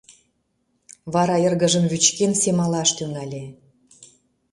Вара эргыжым вӱчкен семалаш тӱҥале.